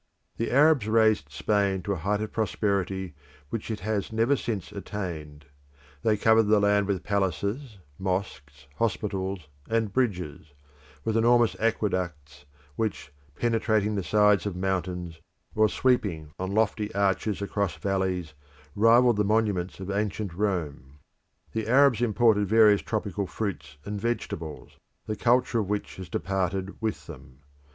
The Arabs raised Spain to a height of prosperity which it has never since attained; they covered the land with palaces, mosques, hospitals, and bridges; and with enormous aqueducts which, penetrating the sides of mountains, or sweeping on lofty arches across valleys, rivalled the monuments of ancient Rome. The Arabs imported various tropical fruits and vegetables, the culture of which has departed with them.